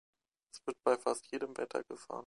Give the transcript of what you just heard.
Es wird bei fast jedem Wetter gefahren.